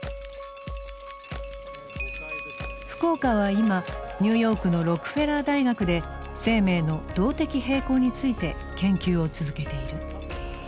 福岡は今ニューヨークのロックフェラー大学で生命の動的平衡について研究を続けている。